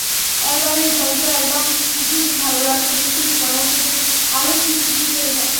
অ্যালবামের যত্নঅ্যালবাম দীর্ঘদিন ভালো রাখতে বেশ কিছু পরামর্শ দিলেন আলোকচিত্রী প্রীত রেজা।